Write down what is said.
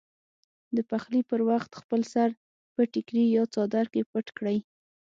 د پخلي پر وخت خپل سر په ټیکري یا څادر کې پټ کړئ.